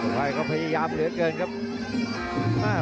กล่องเทียเอาพยายามเหลือเชือกเกินครับ